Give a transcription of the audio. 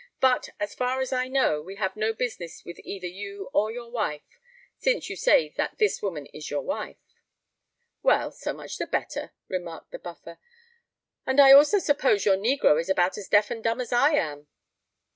"But, as far as I know, we have no business with either you or your wife—since you say that this woman is your wife." "Well—so much the better," remarked the Buffer. "And I also suppose your negro is about as deaf and dumb as I am?"